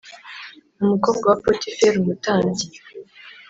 umukobwa wa Potifera umutambyi